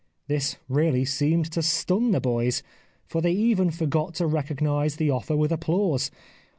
This really seemed to stun the boys, for they even forgot to recognise the offer with applause.